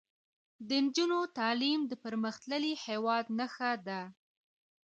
د نجونو تعلیم د پرمختللي هیواد نښه ده.